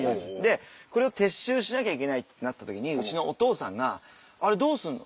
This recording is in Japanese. これを撤収しなきゃいけないってなった時にうちのお父さんが「あれどうすんの？」